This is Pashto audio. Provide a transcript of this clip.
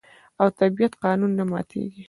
او د طبیعت قانون نه ماتیږي.